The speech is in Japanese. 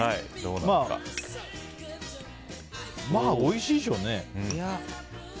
まあおいしいでしょうね。